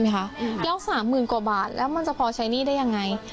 แล้ว๓๐๐๐กว่าบาทแล้วมันจะพอใช้หนี้ได้ยังไง